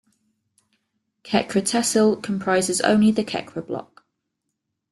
Khekra tehsil comprises only the Khekra block.